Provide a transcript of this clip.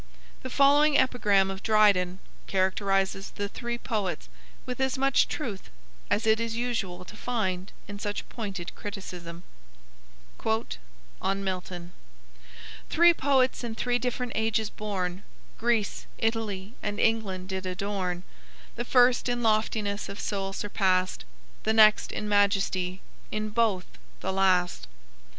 The following epigram of Dryden characterizes the three poets with as much truth as it is usual to find in such pointed criticism: "ON MILTON "Three poets in three different ages born, Greece, Italy, and England did adorn The first in loftiness of soul surpassed, The next in majesty, in both the last.